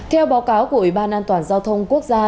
theo báo cáo của ủy ban an toàn giao thông quốc gia